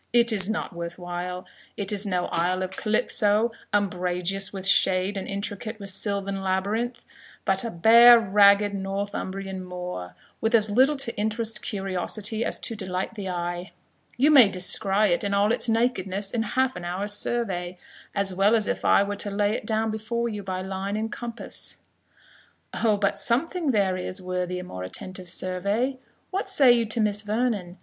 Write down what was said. "It is not worth while; it is no Isle of Calypso, umbrageous with shade and intricate with silvan labyrinth but a bare ragged Northumbrian moor, with as little to interest curiosity as to delight the eye; you may descry it in all its nakedness in half an hour's survey, as well as if I were to lay it down before you by line and compass." "O, but something there is, worthy a more attentive survey What say you to Miss Vernon?